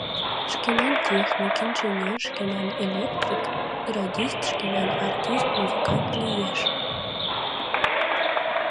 Шкенан техник, инженер, шкенан электрик, радист, шкенан артист, музыкант лиеш.